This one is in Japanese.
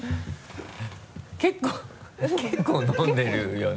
結構飲んでるよね。